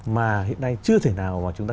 mà hiện nay chưa thể nào mà chúng ta